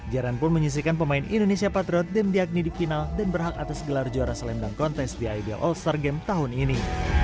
jaran pun menyisikan pemain indonesia patriot demdiak nidip kinal dan berhak atas gelar juara slam dunk contest di ibl all star game tahun ini